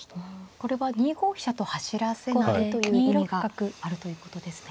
これは２五飛車と走らせないという意味があるということですね。